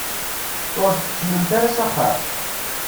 Ur tkeččmemt ara s axxam?